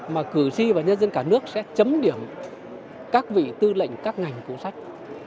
mà cử tri và nhân dân cả nước sẽ chấm điểm các vị tư lệnh các ngành cụ sách